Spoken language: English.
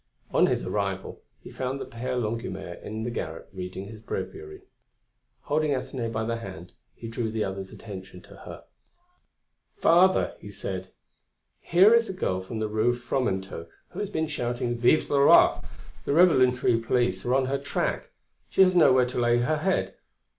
On his arrival, he found the Père Longuemare in the garret reading his breviary. Holding Athenaïs by the hand, he drew the other's attention to her: "Father," he said, "here is a girl from the Rue Fromenteau who has been shouting: 'Vive le roi!' The revolutionary police are on her track. She has nowhere to lay head.